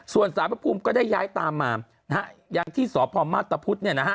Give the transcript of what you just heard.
ส่วนสารพระภูมิก็ได้ย้ายตามมานะฮะอย่างที่สพมาตรพุทธเนี่ยนะฮะ